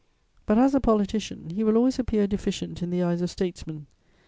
But, as a politician, he will always appear deficient in the eyes of statesmen.